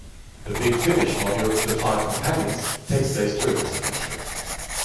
The Big Finish audio "The Five Companions" takes place during this adventure.